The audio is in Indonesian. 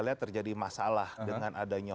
lihat terjadi masalah dengan adanya